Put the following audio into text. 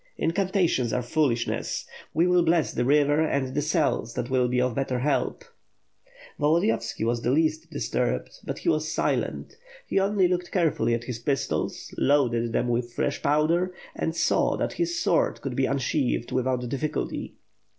"Incantations are foolishness! We will bless the river and the cells that will be of better help." Volodiyovski was the least disturbed, but he was silent. He only looked carefully at his pistols, loaded them with fresh powder, and saw that his sword could be unsheathed without difl&culty.